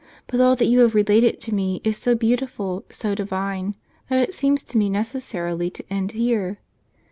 "But all that you have related to me is so beautiful, so divine, that it seems to me necessarily to end here.